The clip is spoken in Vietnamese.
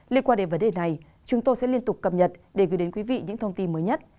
liên quan đến vấn đề này chúng tôi sẽ liên tục cập nhật để gửi đến quý vị những thông tin mới nhất